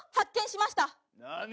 何？